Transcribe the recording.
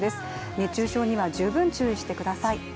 熱中症には十分注意してください。